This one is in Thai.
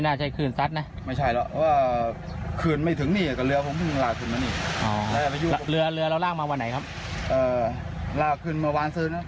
ลากขึ้นเมื่อวานซึ้นนะ